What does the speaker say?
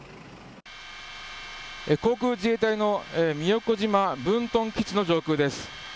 航空自衛隊の宮古島分屯基地の上空です。